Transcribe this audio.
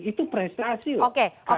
itu prestasi loh